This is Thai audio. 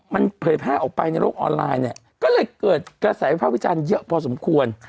มันเผยแพร่ออกไปในโลกออนไลน์เนี่ยก็เลยเกิดกระแสวิภาพวิจารณ์เยอะพอสมควร